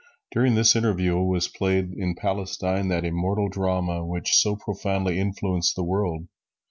During this interval was played in Palestine that immortal drama which so profoundly influenced the world.